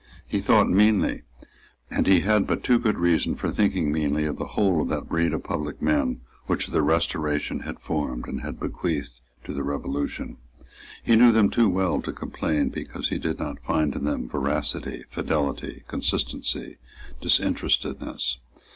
He thought meanly, and he had but too good reason for thinking meanly, of the whole of that breed of public men which the Restoration had formed and had bequeathed to the Revolution. He knew them too well to complain because he did not find in them veracity, fidelity, consistency, disinterestedness.